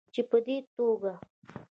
چې په دې توګه